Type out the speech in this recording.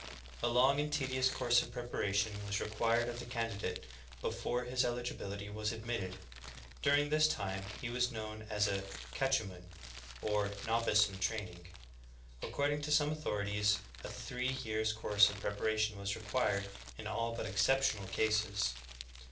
A long and tedious course of preparation was required of the candidate before his eligibihty was admitted ; during this time he was known as a catechumen, or novice in training. According to some authorities a three years' course of preparation was required in all but exceptional cases.''